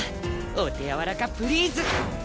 お手柔らかプリーズ！